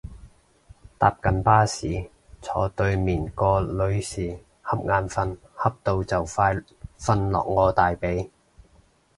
搭緊巴士，坐對面個女士恰眼瞓恰到就快瞓落我大髀